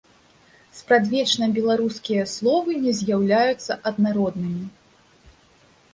Спрадвечна беларускія словы не з'яўляюцца аднароднымі.